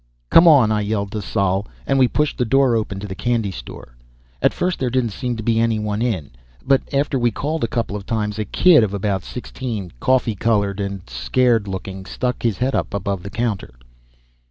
"Come on," I yelled to Sol, and we pushed the door open to the candy store. At first there didn't seem to be anyone in, but after we called a couple times a kid of about sixteen, coffee colored and scared looking, stuck his head up above the counter.